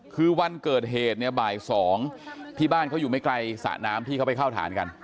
คือวันเกิดเหตุเนี่ยบ่าย๒ที่บ้านเขาอยู่ไม่ไกลสระน้ำที่เขาไปเข้าฐานกัน